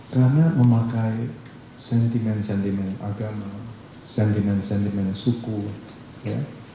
karena memakai sentimen sentimen agama sentimen sentimen suku ya